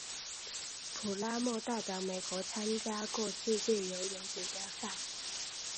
普拉默代表美国参加过世界游泳锦标赛。